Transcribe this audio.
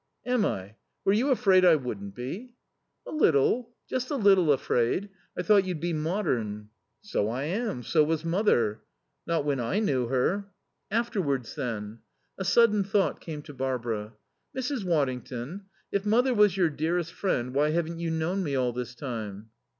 "Am I? Were you afraid I wouldn't be?" "A little, just a little afraid. I thought you'd be modern." "So I am. So was mother." "Not when I knew her." "Afterwards then." A sudden thought came to Barbara. "Mrs. Waddington, if mother was your dearest friend why haven't you known me all this time?"